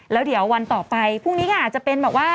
แล้วเดี๋ยววันต่อไปพรุ่งนี้ก็อาจจะเป็นแบบว่า